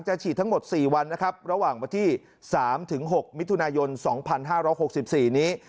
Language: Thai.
ฉีดทั้งหมด๔วันนะครับระหว่างวันที่๓๖มิถุนายน๒๕๖๔นี้